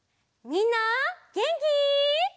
みんなげんき？